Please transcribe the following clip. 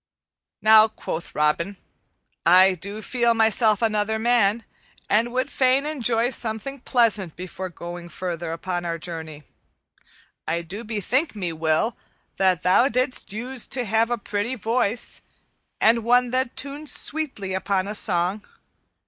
"Now," quoth Robin, "I do feel myself another man, and would fain enjoy something pleasant before going farther upon our journey. I do bethink me, Will, that thou didst use to have a pretty voice, and one that tuned sweetly upon a song.